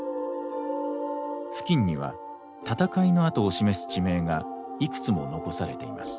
付近には戦いの跡を示す地名がいくつも残されています。